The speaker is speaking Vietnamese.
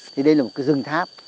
thì đây là một cái rừng tháp